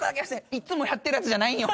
いっつもやってるやつじゃないんよ。